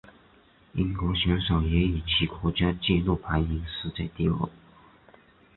英国选手也以其国家纪录排名世界第二。